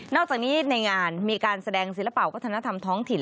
อกจากนี้ในงานมีการแสดงศิลปะวัฒนธรรมท้องถิ่น